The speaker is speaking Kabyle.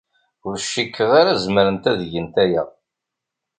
Ur cikkeɣ ara zemrent ad gent aya.